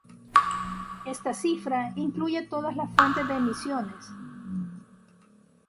Esta cifra incluye todas las fuentes de emisiones.